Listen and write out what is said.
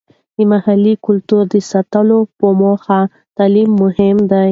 د محلي کلتور د ساتلو په موخه تعلیم مهم دی.